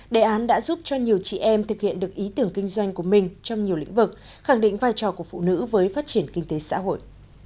đề án đã giúp cho nhiều chị em thực hiện được ý tưởng kinh doanh của mình trong nhiều lĩnh vực khẳng định vai trò của phụ nữ với phát triển kinh tế xã hội